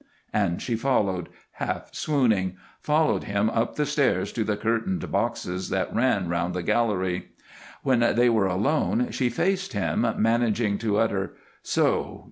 and she followed, half swooning followed him up the stairs to the curtained boxes that ran round the gallery. When they were alone, she faced him, managing to utter: "So!